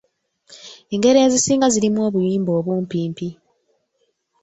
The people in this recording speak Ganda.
Engero ezisinga zirimu obuyimba obumpimpi.